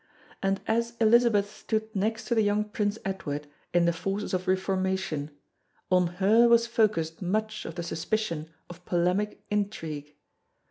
And as Elizabeth stood next to the young Prince Edward in the forces of Reformation, on her was focussed much of the suspicion of polemic intrigue.